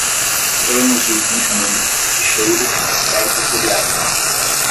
termos de licenciamento, ficheiros, portas seriais